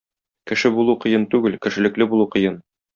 Кеше булу кыен түгел, кешелекле булу кыен.